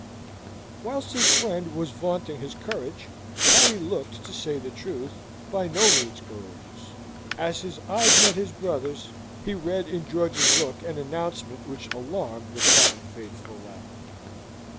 Whilst his friend was vaunting his courage, Harry looked, to say the truth, by no means courageous. As his eyes met his brother's, he read in George's look an announcement which alarmed the fond faithful lad.